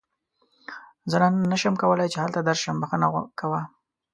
زه نن نشم کولی چې هلته درشم، بښنه کوه.